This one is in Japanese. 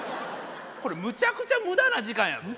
これむちゃくちゃ無駄な時間やぞ。